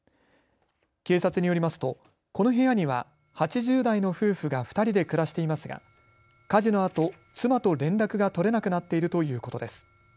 警察によりますとこの部屋には８０代の夫婦が２人で暮らしていますが火事のあと妻と連絡が取れなくなっているということです。